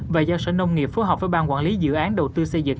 và do sở nông nghiệp phù hợp với ban quản lý dự án đầu tư xây dựng